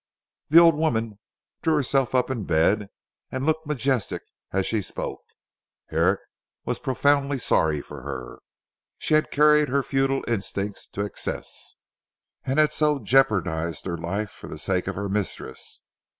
The old woman drew herself up in bed, and looked majestic as she spoke. Herrick was profoundly sorry for her. She had carried her feudal instinct to excess, and so had jeopardised her life for the sake of her mistress.